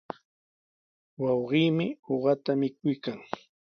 Wawqiimi uqata mikuykan.